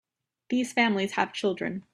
These families have children.